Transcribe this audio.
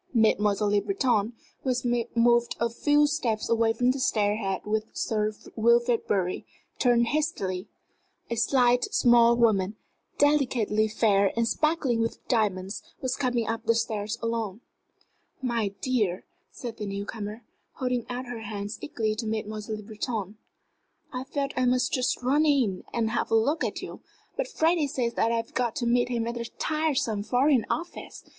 Mademoiselle Le Breton, who had moved a few steps away from the stair head with Sir Wilfrid Bury, turned hastily. A slight, small woman, delicately fair and sparkling with diamonds, was coming up the stairs alone. "My dear," said the new comer, holding out her hands eagerly to Mademoiselle Le Breton, "I felt I must just run in and have a look at you. But Freddie says that I've got to meet him at that tiresome Foreign Office!